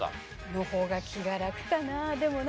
の方が気が楽かな。